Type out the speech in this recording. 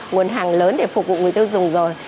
nguồn hàng lớn để phục vụ người tiêu dùng rồi